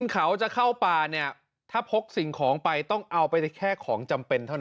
เขาจะเข้าป่าเนี่ยถ้าพกสิ่งของไปต้องเอาไปแค่ของจำเป็นเท่านั้น